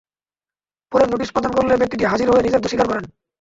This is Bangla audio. পরে নোটিশ প্রদান করলে ব্যক্তিটি হাজির হয়ে নিজের দোষ স্বীকার করেন।